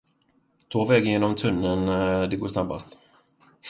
Ta vägen genom tunneln det går snabbast.